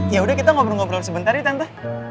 yaudah kita ngobrol ngobrol sebentar ya tante